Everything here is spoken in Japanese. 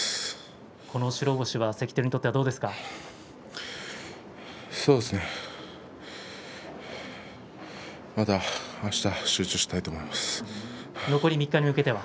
この白星は、関取にとってはどうですか。